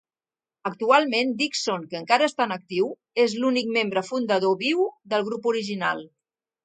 Actualment, Dixon, que encara està en actiu, és l'únic membre fundador viu del grup original.